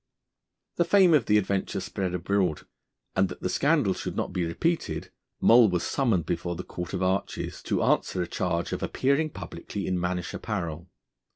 The fame of the adventure spread abroad, and that the scandal should not be repeated Moll was summoned before the Court of Arches to answer a charge of appearing publicly in mannish apparel.